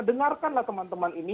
dengarkanlah teman teman ini